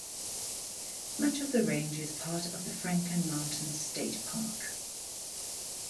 Much of the range is part of the Franklin Mountains State Park.